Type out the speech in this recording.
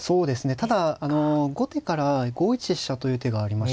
ただ後手からは５一飛車という手がありまして。